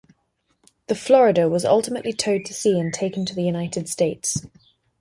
The "Florida" was ultimately towed to sea and taken to the United States.